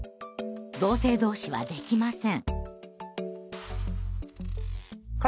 同性同士はできません。